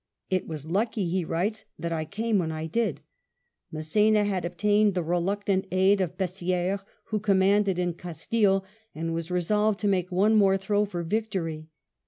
"It was lucky," he writes, "that I j came when I did.'' Mass^na had obtained the reluc VII BATTLE OF FUENTES D'ONORO 149 tant aid of Bessi^res, who commanded in Castille, and was resolved to make one more throw for victory.